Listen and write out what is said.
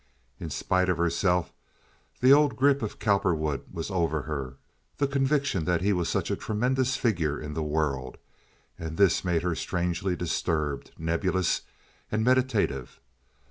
In spite of herself the old grip of Cowperwood was over her—the conviction that he was such a tremendous figure in the world—and this made her strangely disturbed, nebulous, and meditative.